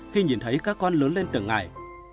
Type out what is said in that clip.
khi nhìn thấy các con lớn lên từng ngày